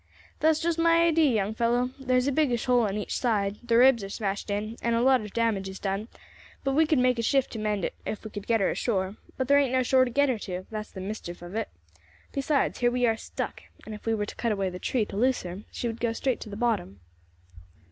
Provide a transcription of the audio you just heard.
"That's just my idee, young fellow. There is a biggish hole on each side, the ribs are smashed in, and a lot of damage is done, but we could make a shift to mend it if we could get her ashore; but there ain't no shore to get her to, that's the mischief of it; besides, here we are stuck, and if we were to cut away the tree to loose her she would go straight to the bottom."